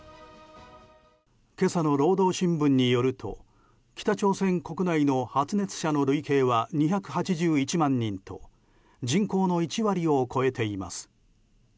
今朝の労働新聞によると北朝鮮国内の発熱者の累計は２８１万人と人口の１割を超えています。